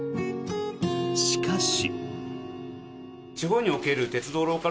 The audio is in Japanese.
しかし。